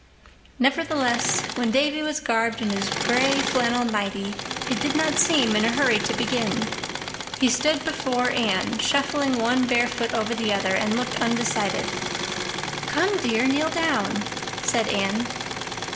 Nevertheless, when Davy was garbed in his gray flannel nighty, he did not seem in a hurry to begin. He stood before Anne, shuffling one bare foot over the other, and looked undecided. "Come, dear, kneel down," said Anne.